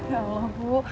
ya allah bu